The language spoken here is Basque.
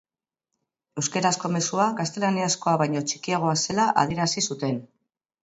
Euskarazko mezua gaztelaniazkoa baino txikiagoa zela adierazi zuten.